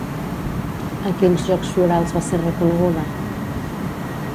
En quins Jocs Florals va ser reconeguda?